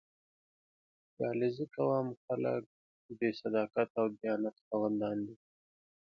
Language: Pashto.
• د علیزي قوم خلک د صداقت او دیانت خاوندان دي.